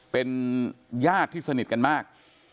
เป็นญาติที่สนิทกันมาก